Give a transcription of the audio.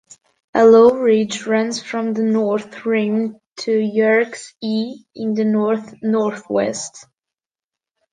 A low ridge runs from the north rim to Yerkes E in the north-northwest.